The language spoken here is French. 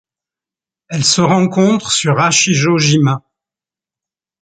Elle se rencontre sur Hachijō-jima.